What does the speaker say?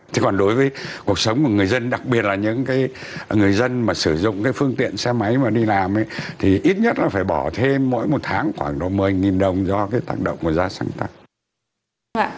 thế còn đối với cuộc sống của người dân đặc biệt là những cái người dân mà sử dụng cái phương tiện xe máy mà đi làm thì ít nhất là phải bỏ thêm mỗi một tháng khoảng một mươi đồng do cái tác động của giá xăng tăng